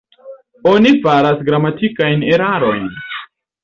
Oni faras gramatikajn erarojn.